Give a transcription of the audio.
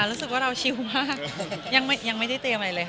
รู้สึกว่าเราชิวมากยังไม่ได้เตรียมอะไรเลยค่ะ